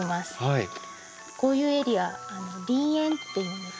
こういうエリア「林縁」というんです。